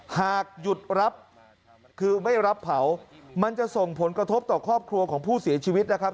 หากหยุดรับคือไม่รับเผามันจะส่งผลกระทบต่อครอบครัวของผู้เสียชีวิตนะครับ